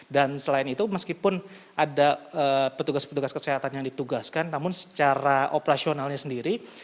dan selain itu meskipun ada petugas petugas kesehatan yang ditugaskan namun secara operasionalnya sendiri